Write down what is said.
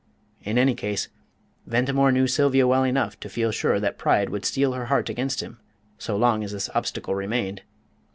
In any case, Ventimore knew Sylvia well enough to feel sure that pride would steel her heart against him so long as this obstacle remained.